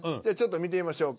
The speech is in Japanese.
見てみましょうか。